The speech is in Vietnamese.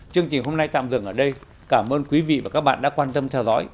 chương trình hôm nay tạm dừng ở đây cảm ơn quý vị và các bạn đã quan tâm theo dõi